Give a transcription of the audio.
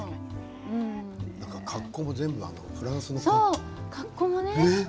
格好もフランスの。